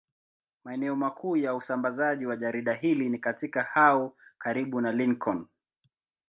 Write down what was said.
Maeneo makuu ya usambazaji wa jarida hili ni katika au karibu na Lincoln.